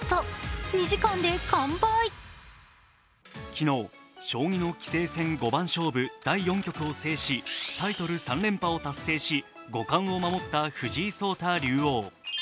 昨日、将棋の棋聖戦五番勝負第４局を制しタイトル３連覇を達成し五冠を守った藤井聡太竜王。